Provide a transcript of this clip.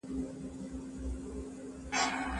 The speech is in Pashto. عامه ګټي بايد د سياسي بنسټونو لخوا خوندي سي.